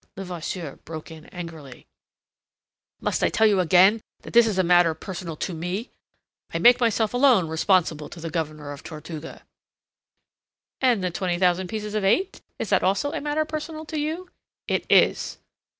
Levasseur broke in angrily: "Must I tell you again that it is a matter personal to me? I make myself alone responsible to the Governor of Tortuga." "And the twenty thousand pieces of eight? Is that also a matter personal to you?" "It is."